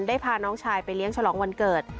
พาน้องชายไปเลี้ยงฉลองวันเกิด